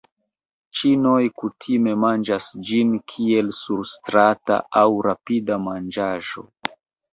Ĉinoj kutime manĝas ĝin kiel surstrata aŭ rapida manĝaĵo.